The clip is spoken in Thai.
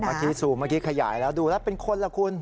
เมื่อกี้ซูมเมื่อกี้ขยายแล้วดูแล้วเป็นคนล่ะคุณ